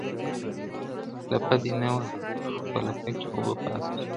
لپه دي نه وه، خو په لپه کي اوبه پاته سوې